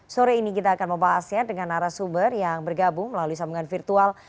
sore ini kita akan membahasnya dengan arah sumber yang bergabung melalui sambungan virtual